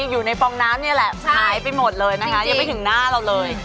อยู่ในฟองน้ำนี่แหละหายไปหมดเลยนะคะยังไม่ถึงหน้าเราเลย